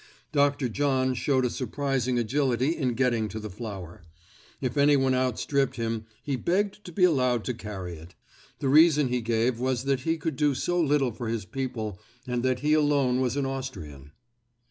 Dr. John showed a surprising agility in getting to the flour. If anyone outstripped him, he begged to be allowed to carry it. The reason he gave was that he could do so little for his people and that he alone was an Austrian.